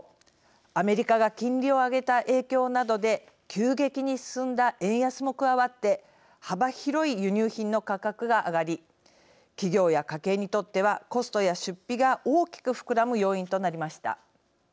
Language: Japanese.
アメリカが金利を上げた影響などで急激に進んだ円安も加わって幅広い輸入品の価格が上がり企業や家計にとってはコストや出費が大きく膨らむ要因となりました。